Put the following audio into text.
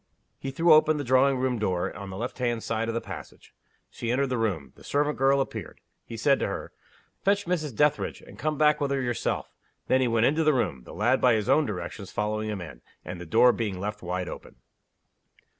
He threw open the drawing room door, on the left hand side of the passage. She entered the room. The servant girl appeared. He said to her, "Fetch Mrs. Dethridge; and come back with her yourself." Then he went into the room; the lad, by his own directions, following him in; and the door being left wide open.